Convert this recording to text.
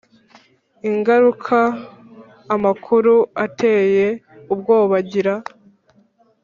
Ingaruka amakuru ateye ubwoba agira